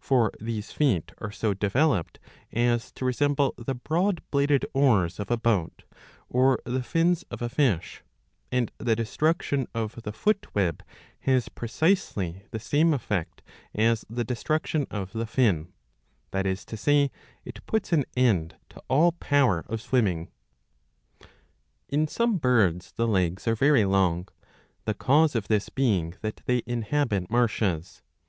For these feet are so developed as to resemble the broad bladed oars of a boat, or the fins of a fish ; and the destruction of the foot web has precisely the same effect as the destruction of the fin ; that is to say, it puts an end to all power of swimming.^ In some birds the legs are very long, the cause of this being that they inhabit marshes.